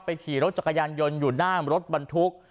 ขี่รถจักรยานยนต์อยู่หน้ารถบรรทุก